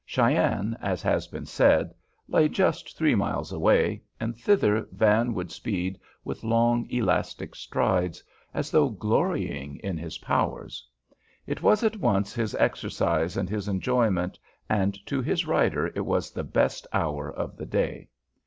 Cheyenne, as has been said, lay just three miles away, and thither Van would speed with long, elastic strides, as though glorying in his powers. It was at once his exercise and his enjoyment, and to his rider it was the best hour of the day.